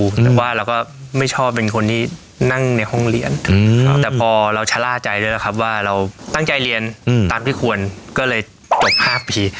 แต่ว่าเราก็ไม่ชอบเป็นคนที่นั่งในห้องเรียนแต่พอเราชะล่าใจด้วยนะครับว่าเราตั้งใจเรียนตามที่ควรก็เลยจบ๕ปี